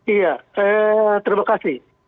iya terima kasih